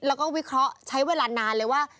แล้วก็วิเคราะห์ใช้เวลานานเลยว่า